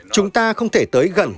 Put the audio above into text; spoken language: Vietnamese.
chúng ta không thể tới gần